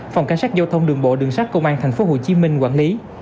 phòng cảnh sát giao thông đường bộ đường sát công an tp hcm quản lý